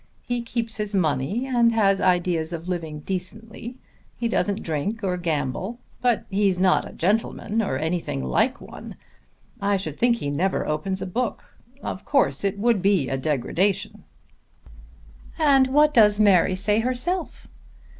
He keeps his money and has ideas of living decently. He doesn't drink or gamble. But he's not a gentleman or anything like one. I should think he never opens a book. Of course it would be a degradation." "And what does Mary say herself?"